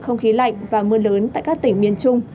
không khí lạnh và mưa lớn tại các tỉnh miền trung